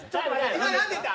今、何言った？